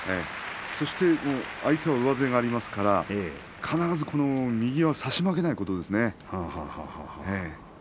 そしてね相手は上背がありますので、必ず右は差し負けないことですね。